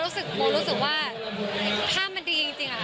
ในความรู้สึกว่าถ้ามันดีจริงอ่ะ